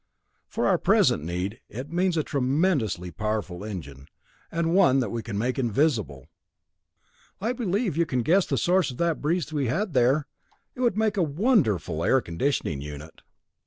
"For our present need, it means a tremendously powerful engine and one that we can make invisible. "I believe you can guess the source of that breeze we had there? It would make a wonderful air conditioning unit."